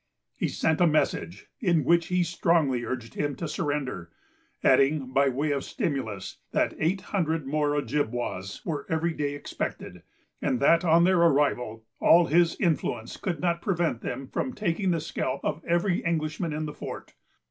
He sent a message, in which he strongly urged him to surrender, adding, by way of stimulus, that eight hundred more Ojibwas were every day expected, and that, on their arrival, all his influence could not prevent them from taking the scalp of every Englishman in the fort.